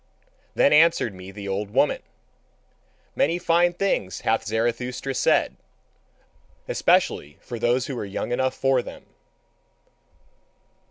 Then answered me the old woman: "Many fine things hath Zarathustra said, especially for those who are young enough for them.